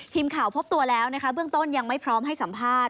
พบตัวแล้วนะคะเบื้องต้นยังไม่พร้อมให้สัมภาษณ